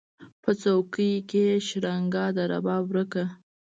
په کوڅو کې یې شرنګا د رباب ورکه